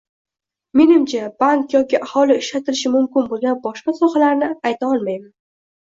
Menimcha, bank yoki aholi ishlatishi mumkin boʻlgan boshqa sohalarni ayta olmayman.